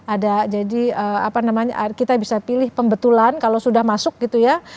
ada jadi apa namanya kita bisa pilih pembetulan kalau sudah masuk gitu ya